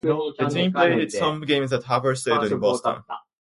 The team played its home games at Harvard Stadium in Boston.